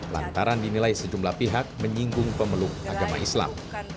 lantaran dinilai sejumlah pihak menyinggung pemeluk agama islam